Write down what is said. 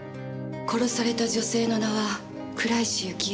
殺された女性の名は倉石雪絵。